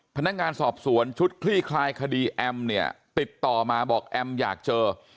พนักงานสอบสวนชุดคลี่คลายคดีแอมเนี่ยติดต่อมาบอกแอมอยากเจอ